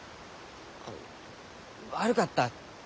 あ悪かった。